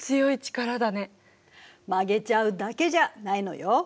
曲げちゃうだけじゃないのよ。